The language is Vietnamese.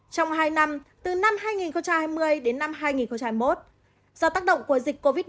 trong hai năm từ năm hai nghìn hai mươi đến năm hai nghìn hai mươi một do tác động của dịch covid một mươi chín